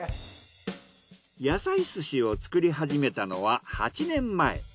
野菜寿司を作り始めたのは８年前。